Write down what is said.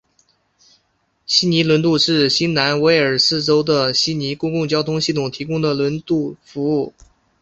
悉尼轮渡是新南威尔士州的悉尼公共交通系统提供的轮渡服务。